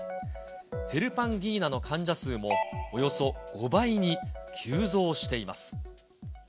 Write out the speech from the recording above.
ヘルパンギーナの患者数もおよそ５倍に急増しています。